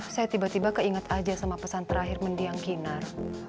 saya tiba tiba keinget aja sama pesan terakhir mendiang ginar